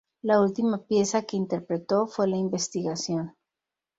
La última pieza que interpretó fue "La investigación".